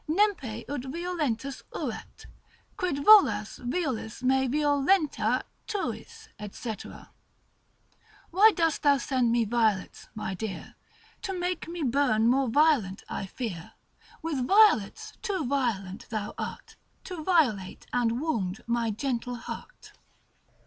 nempe ut violentius uret; Quid violas violis me violenta tuis? &c. Why dost thou send me violets, my dear? To make me burn more violent, I fear, With violets too violent thou art, To violate and wound my gentle heart.